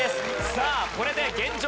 さあこれで現状